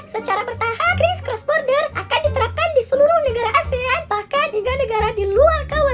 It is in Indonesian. secara berat bos border akan diterapkan diseluruh negara asean bahkan hingga negara di luar kawasan